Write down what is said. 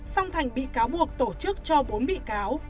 song thành bị cáo buộc tổ chức cho bốn bị cáo